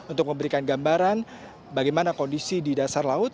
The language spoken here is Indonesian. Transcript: untuk memberikan gambaran bagaimana kondisi di dasar laut